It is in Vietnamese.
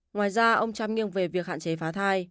ngoài ra ông cham nghiêng về việc hạn chế phá thai